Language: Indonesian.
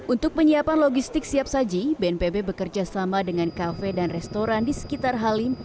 untuk penyiapan logistik siap saji bnpb bekerja sama dengan kafe dan restoran di sekitar halim